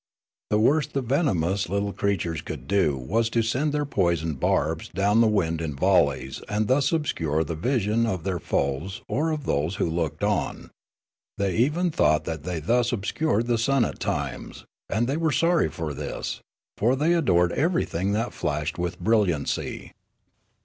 The worst the venomous little creatures could do was to send their poisoned barbs down the wind in vollej's and thus obscure the vision of their foes or of those who looked on; they even thought that they thus obscured the sun at times, and they were sorry for this, for they adored everything that flashed with brilliancy.